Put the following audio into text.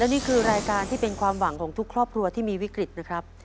นี่คือรายการที่เป็นความหวังของทุกครอบครัวที่มีวิกฤตนะครับ